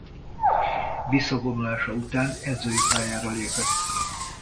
Visszavonulása után edzői pályára lépett.